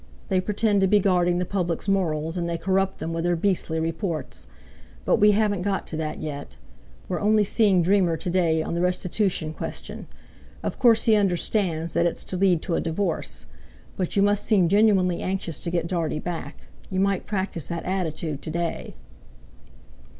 They pretend to be guarding the public's morals, and they corrupt them with their beastly reports. But we haven't got to that yet. We're only seeing Dreamer to day on the restitution question. Of course he understands that it's to lead to a divorce; but you must seem genuinely anxious to get Dartie back—you might practise that attitude to day."